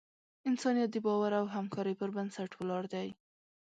انسانیت د باور او همکارۍ پر بنسټ ولاړ دی.